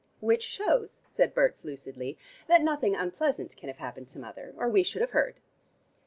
"Which shows," said Berts lucidly, "that nothing unpleasant can have happened to mother, or we should have heard."